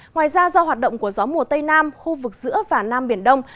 ngoài ra do hoạt động của gió mùa tây nam khu vực giữa và nam biển đông